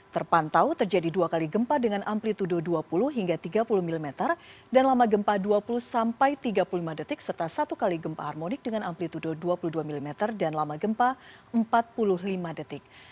terpantau terjadi dua kali gempa dengan amplitude dua puluh hingga tiga puluh mm dan lama gempa dua puluh sampai tiga puluh lima detik serta satu kali gempa harmonik dengan amplitude dua puluh dua mm dan lama gempa empat puluh lima detik